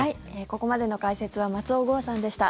ここまでの解説は松尾豪さんでした。